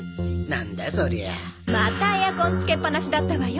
またエアコンつけっぱなしだったわよ